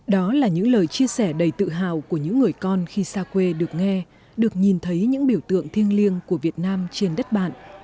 đó là những lời chia sẻ đầy tự hào của những người con khi xa quê được nghe được nhìn thấy những biểu tượng thiêng liêng của việt nam trên đất bạn